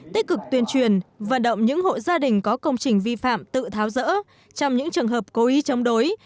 tích cực tuyên truyền vận động những hộ gia đình có công trình vi phạm tự tháo rỡ trong những trường hợp cố ý chống đối